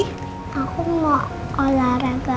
saya abis selesai solatetin went tujuh beide